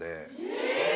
え！